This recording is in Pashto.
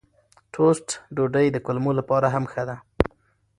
ټوسټ ډوډۍ د کولمو لپاره هم ښه ده.